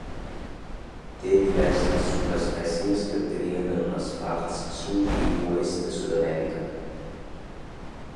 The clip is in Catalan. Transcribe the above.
Té diverses subespècies que crien en les parts sud i oest de Sud-amèrica.